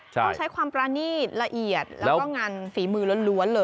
ต้องใช้ความประนีตละเอียดแล้วก็งานฝีมือล้วนเลย